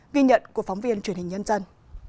ghi nhận của phóng viên truyền hình nhân dân